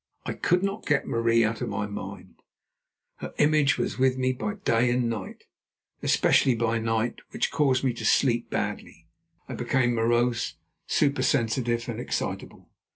I could not get Marie out of my mind; her image was with me by day and by night, especially by night, which caused me to sleep badly. I became morose, supersensitive, and excitable.